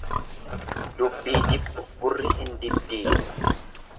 Dubbii jibbu gurri hin diddiigu.